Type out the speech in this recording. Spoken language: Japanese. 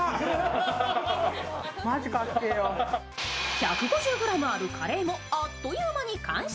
１５０ｇあるカレーもあっという間に完食。